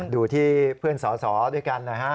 ดูที่เพื่อนสสด้วยกันนะฮะ